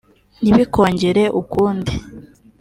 Ntibikongere ukundi